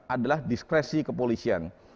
adalah diskresi kepolisian